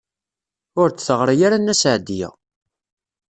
Ur d-teɣri ara Nna Seɛdiya.